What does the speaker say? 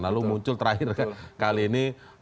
lalu muncul terakhir kali ini